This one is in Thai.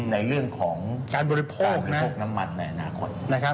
ในเรื่องของการบริโภคบริโภคน้ำมันในอนาคต